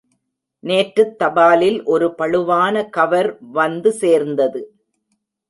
நேற்றுத் தபாலில் ஒரு பளுவான கவர் வந்து சேர்ந்தது.